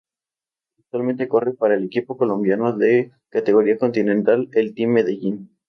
Actualmente corre para el equipo colombiano de categoría Continental el Team Medellín.